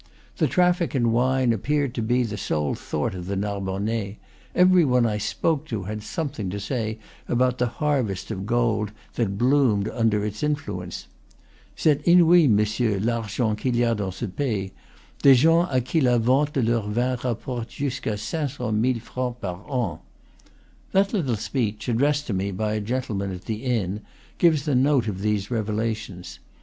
The traffic in wine appeared to be the sole thought of the Narbonnais; every one I spoke to had something to say about the harvest of gold that bloomed under its influence. "C'est inoui, monsieur, l'argent qu'il y a dans ce pays. Des gens a qui la vente de leur vin rapporte jusqu'a 500,000 francs par an." That little speech, addressed to me by a gentleman at the inn, gives the note of these revelations.